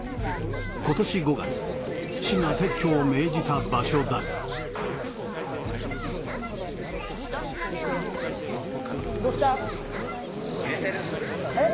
今年５月市が撤去を命じた場所だが・入れてる・・えっ？